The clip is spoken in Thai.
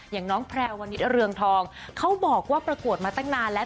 อย่างน้องแพรวณิชเรืองทองเขาบอกว่าประกวดมาตั้งนานแล้ว